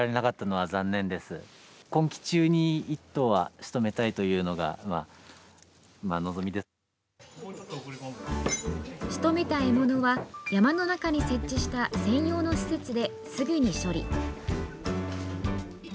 しとめた獲物は山の中に設置した専用の施設ですぐに処理。